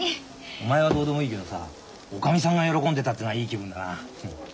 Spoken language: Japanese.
お前はどうでもいいけどさおかみさんが喜んでたってのはいい気分だな。